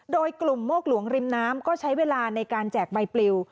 โดยกลุ่มโมกหลวงริมน้ำก็ใช้เวลาในการแจกใบปลิว